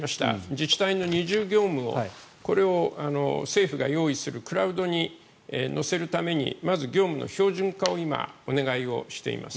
自治体の二重業務を政府が用意するクラウドに乗せるためにまず業務の標準化を今お願いしています。